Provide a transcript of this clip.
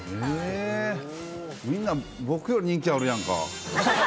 みんな僕より人気あるやんか。